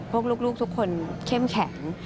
ลูกทุกคนเข้มแข็ง